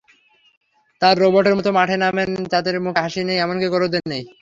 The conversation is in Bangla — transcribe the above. তাঁরা রোবটের মতো মাঠে নামেন, তাঁদের মুখে হাসি নেই, এমনকি ক্রোধও নেই।